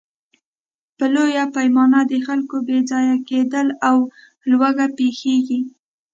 په لویه پیمانه د خلکو بېځایه کېدل او لوږه پېښېږي.